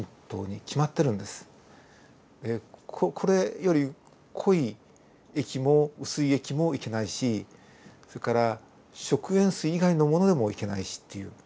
これより濃い液も薄い液もいけないしそれから食塩水以外のものでもいけないしっていう。